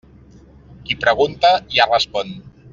Qui pregunta, ja respon.